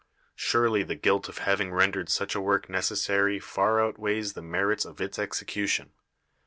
Surely the guilt of having rendered such a work necessary far outweighs the merits of its execution.